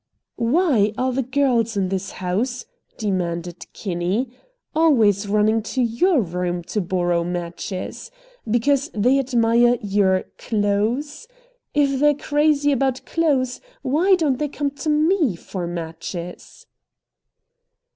"Why are the girls in this house," demanded Kinney, "always running to your room to borrow matches? Because they admire your CLOTHES? If they're crazy about clothes, why don't they come to ME for matches?"